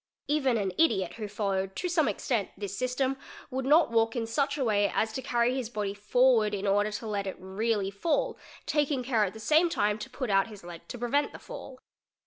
Even an idiot who followed to some extent this system would not walk in such a way as to carry his body for . w ard in order to let it really fall, taking care at the same time to put out Biles to prevent the fall.